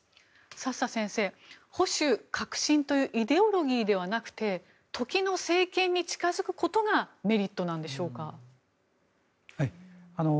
佐々先生保守、革新というイデオロギーではなくて時の政権に近付くことがメリットなんでしょうか。